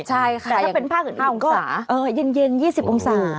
ใช่ค่ะอย่างนี้๕องศาอ๋อเย็น๒๐องศา